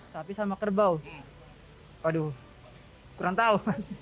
sapi sama kerbau waduh kurang tahu